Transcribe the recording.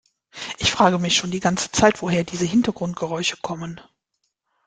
Ich frage mich schon die ganze Zeit, woher diese Hintergrundgeräusche kommen.